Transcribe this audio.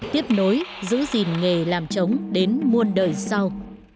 tiếp nối giữ gìn nghề làm trống đến muôn đời sau